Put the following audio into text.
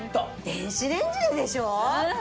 電子レンジでしょ？